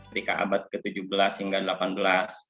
dari ke abad ke tujuh belas hingga ke delapan belas